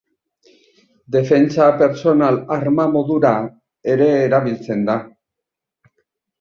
Defentsa pertsonal arma modura ere erabiltzen da.